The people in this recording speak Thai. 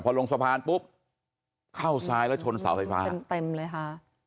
พอลงสะพานปุ๊บเข้าซ้ายแล้วชนเสาไฟฟ้าเต็มเต็มเลยค่ะ